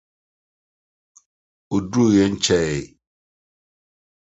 Odurui nkyɛe.